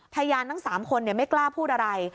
พยานทั้งสามคนเนี่ยไม่กล้าพูดอะไร